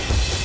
ya aku sama